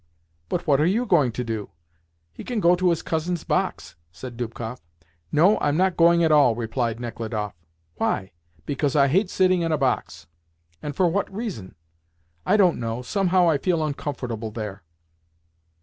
"But what are you going to do?" "He can go into his cousin's box," said Dubkoff. "No, I'm not going at all," replied Nechludoff. "Why?" "Because I hate sitting in a box." "And for what reason?" "I don't know. Somehow I feel uncomfortable there."